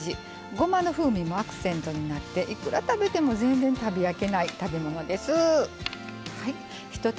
ごまの風味もアクセントになっていくら食べても全然食べ飽きない食べ物です。